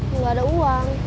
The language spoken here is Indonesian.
gak ada uang